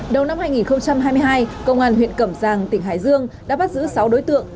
đầu năm hai nghìn hai mươi hai công an huyện cẩm giang tỉnh hải dương đã bắt giữ sáu đối tượng